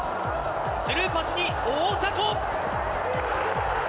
スルーパスに大迫！